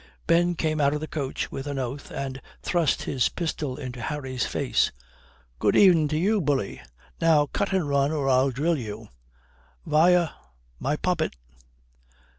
Ben came out of the coach with an oath and thrust his pistol into Harry's face. "Good e'en to you, bully. Now cut and run or I'll drill you. Via, my poppet."